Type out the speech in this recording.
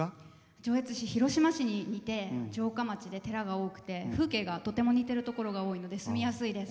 上越市は広島市にいて城下町もあって風景がとても似てるところが多いので住みやすいです。